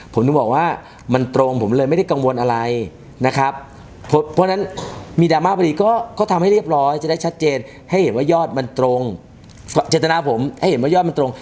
ผมเลยไม่ได้กังวลอะไรนะครับเพราะนั้นมีดราม่าพอดีก็ก็ทำให้เรียบร้อยจะได้ชัดเจนให้เห็นว่ายอดมันตรงจะมีกำจักรผมให้มียอดมันตรง